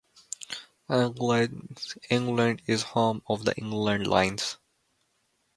England is home of the England Lions.